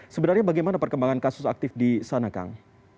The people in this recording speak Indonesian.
sebenarnya bagaimana perkembangan kasus aktif di sana kang